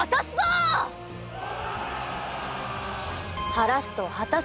「晴らす」と「果たす」